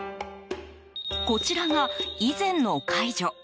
こちらが、以前の介助。